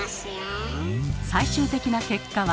最終的な結果は？